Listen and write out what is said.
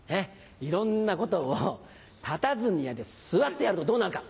いろんなことを立たずに座ってやるとどうなるか？